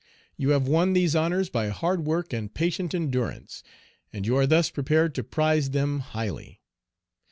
You have won these honors by hard work and patient endurance, and you are thus prepared to prize them highly.